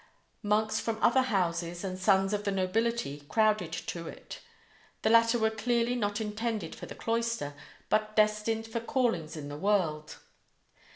Monks from other houses and sons of the nobility crowded to it. The latter were clearly not intended for the cloister, but destined for callings in the world.